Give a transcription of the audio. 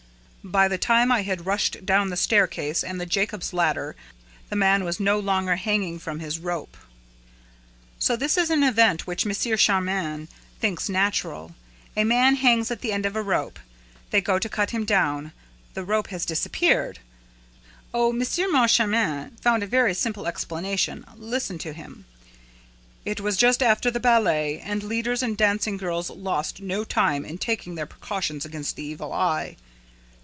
"By the time I had rushed down the staircase and the Jacob's ladder, the man was no longer hanging from his rope!" So this is an event which M. Moncharmin thinks natural. A man hangs at the end of a rope; they go to cut him down; the rope has disappeared. Oh, M. Moncharmin found a very simple explanation! Listen to him: "It was just after the ballet; and leaders and dancing girls lost no time in taking their precautions against the evil eye."